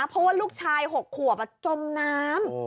เพราะว่าลูกชาย๖ขวบจมน้ำ